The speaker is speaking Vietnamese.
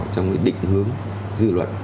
trong cái định hướng dư luận